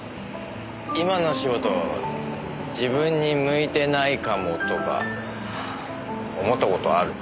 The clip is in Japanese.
今の仕事自分に向いてないかもとか思った事ある？